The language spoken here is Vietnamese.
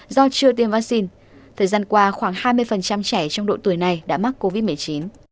do chưa tiêm vaccine thời gian qua khoảng hai mươi trẻ trong độ tuổi này đã mắc covid một mươi chín